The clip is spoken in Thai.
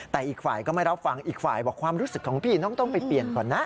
แต่อีกฝ่ายก็ไม่รับฟังอีกฝ่ายบอกความรู้สึกของพี่น้องต้องไปเปลี่ยนก่อนนะ